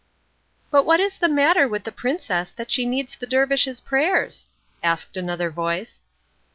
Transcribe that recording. "But what is the matter with the princess that she needs the dervish's prayers?" asked another voice.